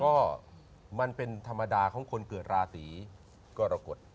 ก็มันเป็นธรรมดาของคนเกิดราศีกรกฎ